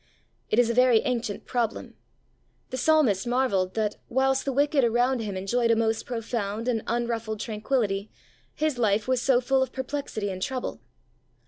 It is a very ancient problem. The psalmist marvelled that, whilst the wicked around him enjoyed a most profound and unruffled tranquillity, his life was so full of perplexity and trouble.